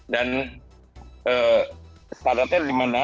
dan standarnya dimana